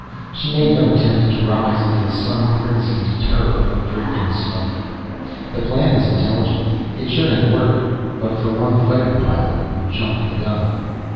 She made no attempt to rise into the sun crimsoned terror of drifting smoke. The plan was intelligent. It should have worked, but for one fighter pilot who jumped the gun.